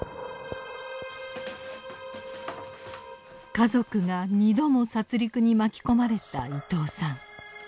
家族が２度も殺りくに巻き込まれた伊東さん。